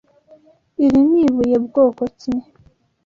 Iri ni ibuye bwoko ki?